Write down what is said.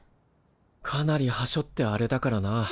かなりはしょってあれだからな。